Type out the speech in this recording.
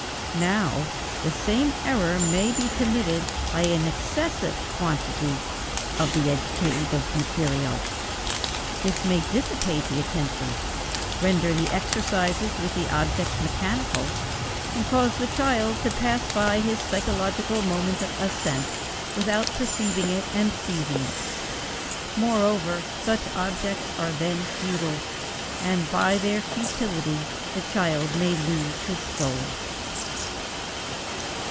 Now the same error may be committed by an excessive quantity of the educative material; this may dissipate the attention, render the exercises with the objects mechanical, and cause the child to pass by his psychological moment of ascent without perceiving it and seizing it. Moreover, such objects are then futile, and, by their futility, "the child may lose his soul."